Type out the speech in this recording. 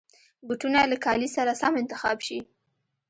بوټونه له کالي سره سم انتخاب شي.